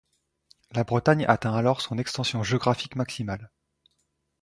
La Bretagne atteint alors son extension géographique maximale.